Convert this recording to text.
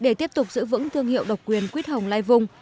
để tiếp tục giữ vững thương hiệu độc quyền quýt hồng lai vung